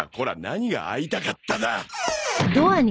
何が「会いたかった」だ。